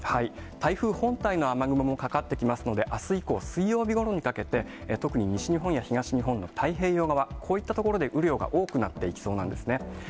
台風本体の雨雲もかかってきますので、あす以降、水曜日ごろにかけて、特に西日本や東日本の太平洋側、こういった所で雨量が多くなっていきそうなんですね。